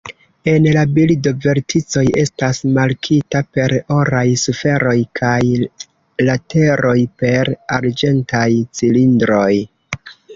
En la bildo verticoj estas markita per oraj sferoj, kaj lateroj per arĝentaj cilindroj.